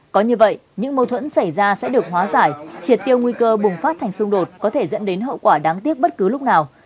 có như vậy những mâu thuẫn xảy ra sẽ được hóa giải triệt tiêu nguy cơ bùng phát thành xung đột có thể dẫn đến hậu quả đáng tiếc bất cứ lúc nào